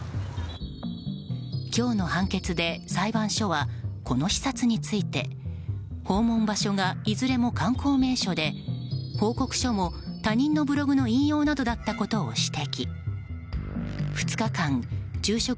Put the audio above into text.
今日の判決で裁判所はこの視察について訪問場所が、いずれも観光名所で報告書も他人のブログの引用などだったことを指摘。